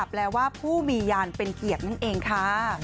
แปลว่าผู้มียานเป็นเกียรตินั่นเองค่ะ